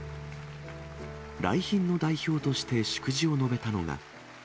来賓の代表として祝辞を述べたのが。